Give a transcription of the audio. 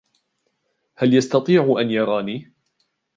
هل يستطيع أن يراني ؟